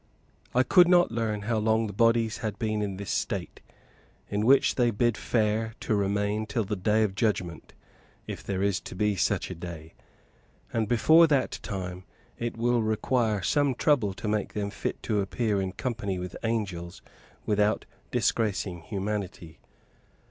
I could not learn how long the bodies had been in this state, in which they bid fair to remain till the Day of Judgment, if there is to be such a day; and before that time, it will require some trouble to make them fit to appear in company with angels without disgracing humanity.